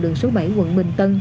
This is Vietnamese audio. đường số bảy quận bình tân